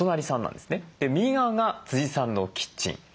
右側がさんのキッチン。